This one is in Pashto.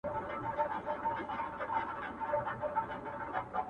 شپه تیاره وه ژر نیهام ځانته تنها سو!!